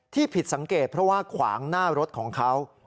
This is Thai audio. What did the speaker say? ผิดสังเกตเพราะว่าขวางหน้ารถของเขา